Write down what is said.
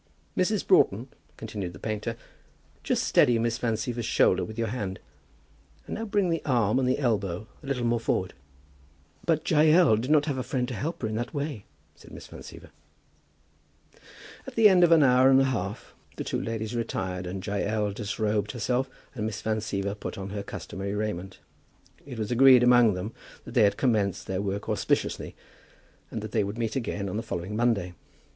"Mrs. Broughton," continued the painter, "just steady Miss Van Siever's shoulder with your hand; and now bring the arm and the elbow a little more forward." "But Jael did not have a friend to help her in that way," said Miss Van Siever. At the end of an hour and a half the two ladies retired, and Jael disrobed herself, and Miss Van Siever put on her customary raiment. It was agreed among them that they had commenced their work auspiciously, and that they would meet again on the following Monday.